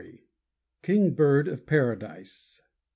=KINGBIRD OF PARADISE.